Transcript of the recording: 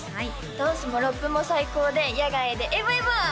ダンスもラップも最高で野外でエヴォエヴォ！